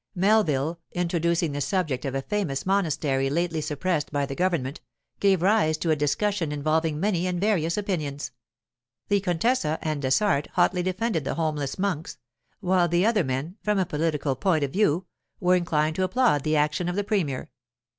Melville, introducing the subject of a famous monastery lately suppressed by the government, gave rise to a discussion involving many and various opinions. The contessa and Dessart hotly defended the homeless monks; while the other men, from a political point of view, were inclined to applaud the action of the premier.